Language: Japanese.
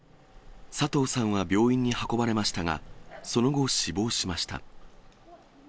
佐藤さんは病院に運ばれましたが、その後、死亡しました。